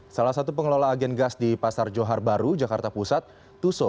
salah satu pengelola agen gas di pasar johar baru jakarta pusat tuso